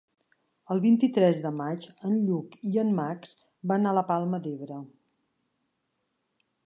El vint-i-tres de maig en Lluc i en Max van a la Palma d'Ebre.